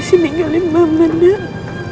sini kali mama menang